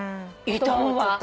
いいと思う。